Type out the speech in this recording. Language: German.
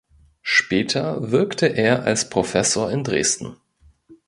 Später wirkte er als Professor in Dresden.